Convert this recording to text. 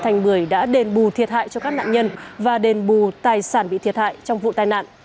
thành bưởi đã đền bù thiệt hại cho các nạn nhân và đền bù tài sản bị thiệt hại trong vụ tai nạn